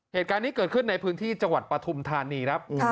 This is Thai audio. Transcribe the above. เหตุการณ์นี้เกิดขึ้นในพื้นที่จังหวัดปฐุมธานีครับ